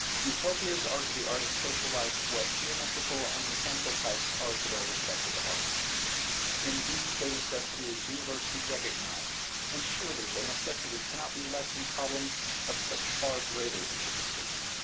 Utopias are to the Art of social life what geometrical and mechanical types are to their respective arts. In these their necessity is universally recognized; and surely the necessity cannot be less in problems of such far greater intricacy.